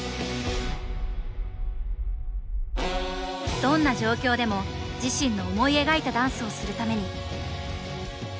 どんな状況でも自身の思い描いたダンスをするために。